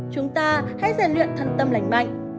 chúng ta hãy giải luyện thân tâm lành mạnh